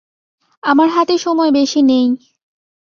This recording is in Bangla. আমার হাতে সময় বেশি নেই।